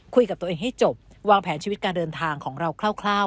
คุยกับตัวเองให้จบวางแผนชีวิตการเดินทางของเราคร่าว